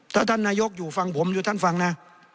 ถ้าท่านนายกอยู่ฟังผมอยู่ท่านฟังนะ